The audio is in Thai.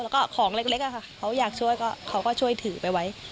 แล้วก็ของเล็กอะค่ะเขาอยากช่วยก็เขาก็ช่วยถือไปไว้